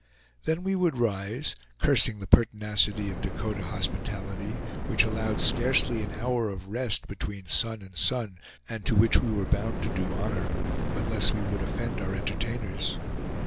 Then we would rise, cursing the pertinacity of Dakota hospitality, which allowed scarcely an hour of rest between sun and sun, and to which we were bound to do honor, unless we would offend our entertainers.